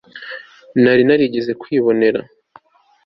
nari narigeze kwibonera